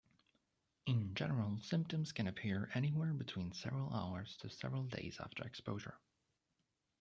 In general, symptoms can appear anywhere between several hours to several days after exposure.